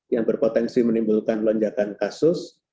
yang berpotensi menimbulkan lonjakan kasus